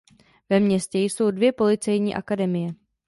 Ve městě jsou dvě policejní akademie.